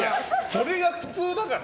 それが普通だから。